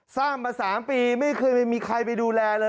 สร้างมา๓ปีไม่เคยไม่มีใครไปดูแลเลย